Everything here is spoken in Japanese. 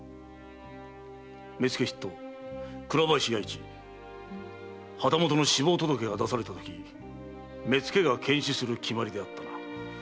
目付筆頭・倉林弥市旗本の死亡届が出されたとき目付が検死する決まりであったな？